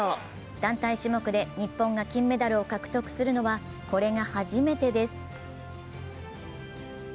団体種目で日本が金メダルを獲得するのはこれが初めてです。